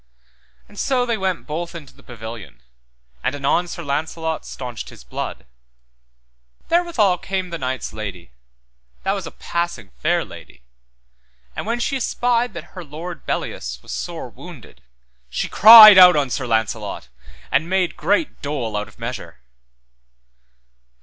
And so they went both into the pavilion, and anon Sir Launcelot staunched his blood. Therewithal came the knight's lady, that was a passing fair lady, and when she espied that her lord Belleus was sore wounded, she cried out on Sir Launcelot, and made great dole out of measure.